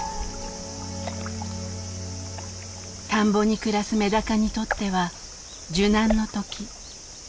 田んぼに暮らすメダカにとっては受難の時。